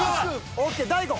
ＯＫ大悟。